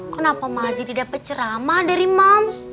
kenapa mahjidi dapet ceramah dari mam